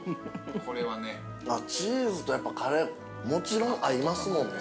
チーズとカレーもちろん合いますもんね。